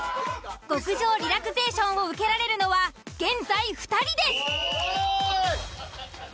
極上リラクゼーションを受けられるのは現在２人です。